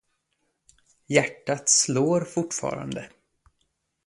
Hjärtat slår fortfarande.